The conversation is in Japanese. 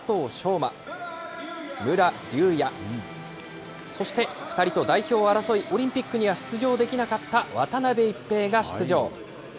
馬、武良竜也、そして２人と代表を争い、オリンピックには出場できなかった渡辺一平が出場。